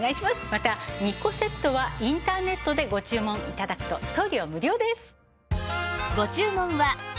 また２個セットはインターネットでご注文頂くと送料無料です。